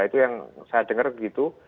itu yang saya dengar begitu